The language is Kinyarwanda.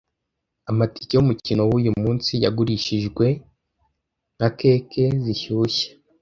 Amatike yumukino wuyu munsi yagurishijwe nka keke zishyushye.